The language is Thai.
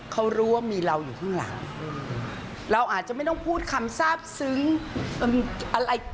เขารู้ว่ามีเราอยู่ข้างหลังเราอาจจะไม่ต้องพูดคำทราบซึ้งอะไร